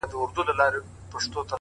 زمـا مــاسوم زړه-